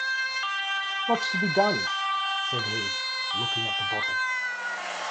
‘What’s to be done?’ said he, looking at the bottle.